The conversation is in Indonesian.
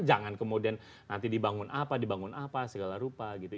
jangan kemudian nanti dibangun apa dibangun apa segala rupa gitu